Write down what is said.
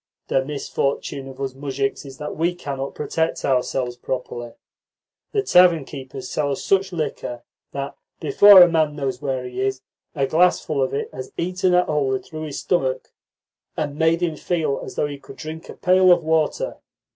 The misfortune of us muzhiks is that we cannot protect ourselves properly. The tavern keepers sell us such liquor that, before a man knows where he is, a glassful of it has eaten a hole through his stomach, and made him feel as though he could drink a pail of water.